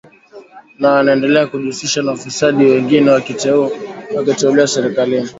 na wanaendelea kujihusisha na ufisadi wengine wakiteuliwa serikalini